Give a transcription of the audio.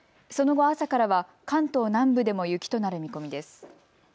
その後、朝からは関東南部でも雪となる見込みです。